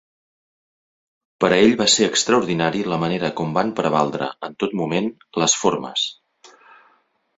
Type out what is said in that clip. Per a ell va ser extraordinari la manera com van prevaldre, en tot moment, les formes.